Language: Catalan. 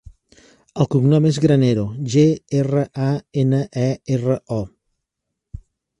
El cognom és Granero: ge, erra, a, ena, e, erra, o.